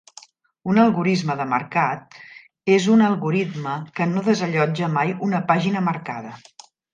Un algorisme de marcat és un algoritme que no desallotja mai una pàgina marcada.